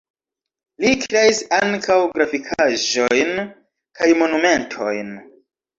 Li kreis ankaŭ grafikaĵojn kaj monumentojn.